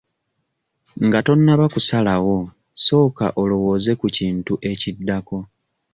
Nga tonnaba kusalawo sooka olowooze ku kintu ekiddako.